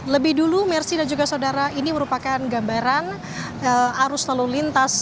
lebih dulu mercy dan juga saudara ini merupakan gambaran arus lalu lintas